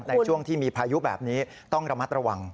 ในช่วงที่มีพายุแบบนี้ต้องระมัดระวัง